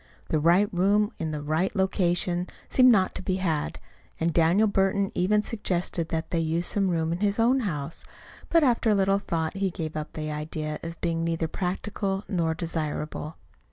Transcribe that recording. The right room in the right location seemed not to be had; and Daniel Burton even suggested that they use some room in his own house. But after a little thought he gave up this idea as being neither practical nor desirable.